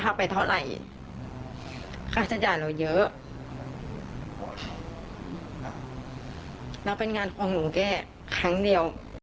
แล้วเป็นงานของหนูแค่ครั้งเดียว